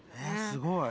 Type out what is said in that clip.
すごい。